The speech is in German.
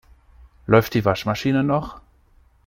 Läuft die Waschmaschine noch?